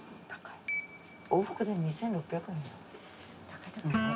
往復で２，６００円だよ。